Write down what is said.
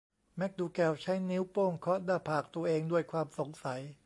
แมคดูแกลใช้นิ้วโป้งเคาะหน้าผากตัวเองด้วยความสงสัย